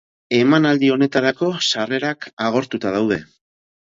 Emanaldi honetarako sarrerak agortuta daude.